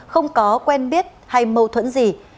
không có quen biết hay mâu thuẫn gì